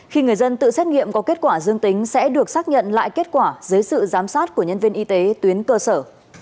khi người dân tự xét nghiệm có kết quả dương tính sẽ được xác nhận lại kết quả dưới sự giám sát của nhân viên y tế tuyến cơ sở